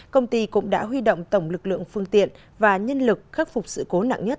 công ty cũng đã huy động tổng lực lượng phương tiện và nhân lực khắc phục sự cố nặng nhất